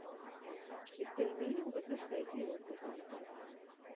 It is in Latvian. Es Tevi mīlu, bet nespēju dzīvot kopā ar Tevi!